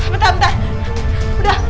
bentar bentar udah